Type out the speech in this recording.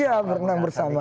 iya berenang bersama